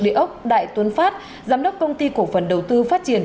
địa ốc đại tuấn phát giám đốc công ty cổ phần đầu tư phát triển